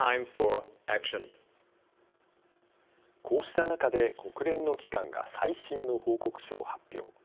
こうした中で国連の機関が最新の報告書を発表。